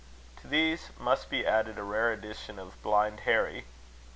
To these must be added a rare edition of Blind Harry.